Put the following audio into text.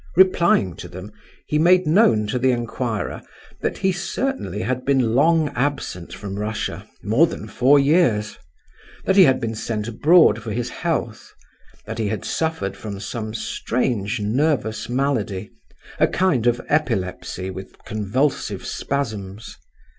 Replying to them, he made known to the inquirer that he certainly had been long absent from Russia, more than four years; that he had been sent abroad for his health; that he had suffered from some strange nervous malady—a kind of epilepsy, with convulsive spasms.